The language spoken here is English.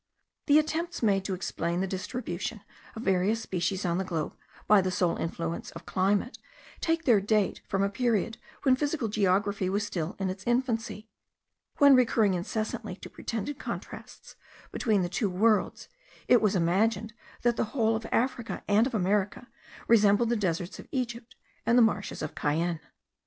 The attempts made to explain the distribution of various species on the globe by the sole influence of climate, take their date from a period when physical geography was still in its infancy; when, recurring incessantly to pretended contrasts between the two worlds, it was imagined that the whole of Africa and of America resembled the deserts of Egypt and the marshes of Cayenne.